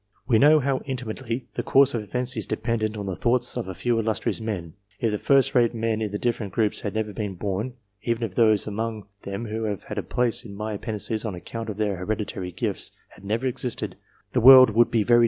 We know how intimately the course of events is dependent on the thoughts of a few illustrious men. If the first rate men in the different groups had never been born, even if those among them who have a place in my Appendices on account of their hereditary gifts, had never existed, the world would be very different to what it is.